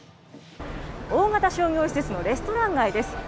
大型商業施設のレストラン街です。